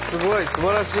すばらしい。